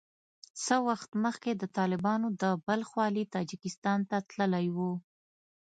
څه وخت مخکې د طالبانو د بلخ والي تاجکستان ته تللی وو